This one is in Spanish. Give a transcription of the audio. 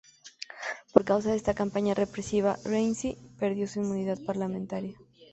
Por causa de esta campaña represiva, Rainsy perdió su inmunidad parlamentaria.